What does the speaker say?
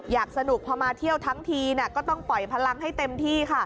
อยากสนุกพอมาเที่ยวทั้งทีก็ต้องปล่อยพลังให้เต็มที่ค่ะ